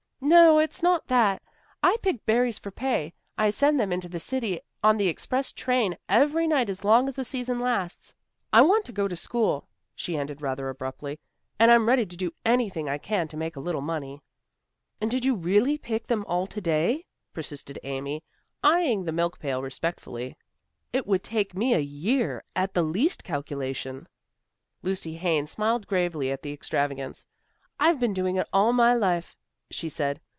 "No. It's not that. I pick berries for pay. I send them into the city on the express train every night as long as the season lasts. I want to go to school," she ended rather abruptly, "and I'm ready to do anything I can to make a little money." "And did you really pick them all to day?" persisted Amy, eyeing the milk pail respectfully. "It would take me a year, at the least calculation." Lucy Haines smiled gravely at the extravagance. "I've been doing it all my life," she said.